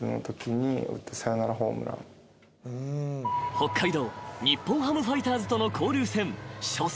［北海道日本ハムファイターズとの交流戦初戦］